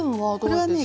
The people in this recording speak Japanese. これはね